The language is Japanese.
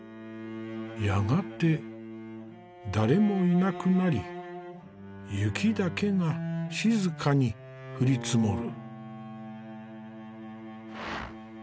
やがて誰もいなくなり雪だけが静かに降り積もる。